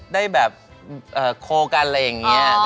ได้แบบโคลกันอะไรอย่างนี้